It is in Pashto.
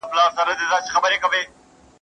جلال